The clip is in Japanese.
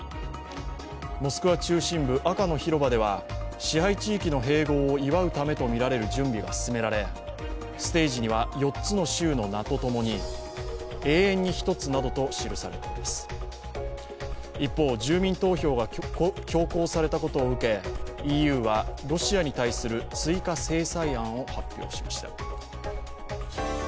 モスクワの中心部、赤の広場では支配地域の併合を祝うためとみられる準備が進められ、ステージには４つの州の名とともに「永遠に１つ」などと記されています一方、住民投票が強行されたことを受けＥＵは、ロシアに対する追加制裁案を発表しました。